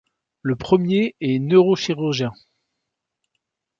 Le premier est neurochirurgien.